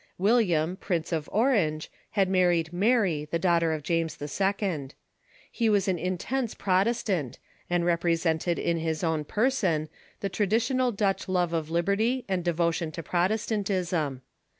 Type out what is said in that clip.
William, Prince of Orange, had married Mary, the daughter of James II. He was an intense Protestant, and represented in his own person the traditional Dutch love of liberty and devotion to Protestantism.